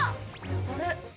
あれ？